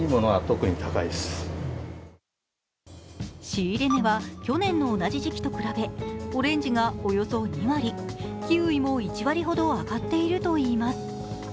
仕入れ値は去年の同じ時期と比べオレンジがおよそ２割、キウイも１割ほど上がっているといいます。